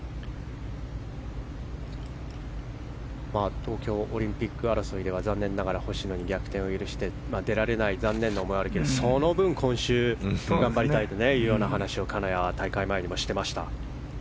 東京オリンピック争いでは残念ながら星野に逆転を許して、出られないという残念な思いでその分、今週頑張りたいという話を金谷は大会前にもしていました。